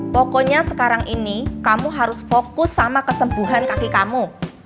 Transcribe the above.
pokoknya sekarang ini kamu harus fokus sama kesembuhan kaki kamu